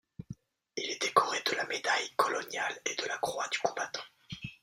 Il est décoré de la Médaille coloniale et de la Croix du combattant.